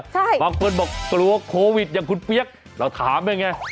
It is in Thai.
ใช่บางคนบอกกลัวโควิดอย่างคุณเปี๊ยกเราถามได้ไง